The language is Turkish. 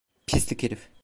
Pislik herif.